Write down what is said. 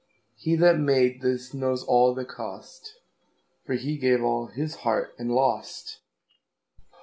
He that made this knows all the cost, For he gave all his heart and lost.